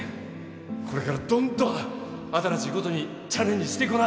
これからどんどん新しいことにチャレンジしていこな。